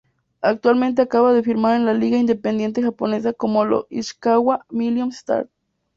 Actualmente acaba de firmar en la liga independiente japonesa con los Ishikawa Million Stars.